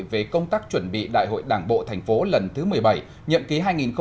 về công tác chuẩn bị đại hội đảng bộ thành phố lần thứ một mươi bảy nhậm ký hai nghìn hai mươi hai nghìn hai mươi năm